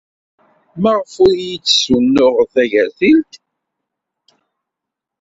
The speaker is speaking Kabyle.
Maɣef ur iyi-d-tessunuɣeḍ tagertilt?